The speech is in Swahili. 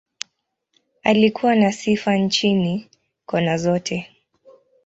Alikuwa na sifa nchini, kona zote.